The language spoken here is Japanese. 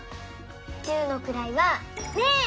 十のくらいは「０」。